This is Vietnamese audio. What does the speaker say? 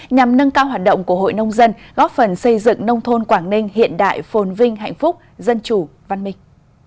nhằm nâng cao hoạt động của hội nông dân góp phần xây dựng nông thôn quảng ninh hiện đại phồn vinh hạnh phúc dân chủ văn minh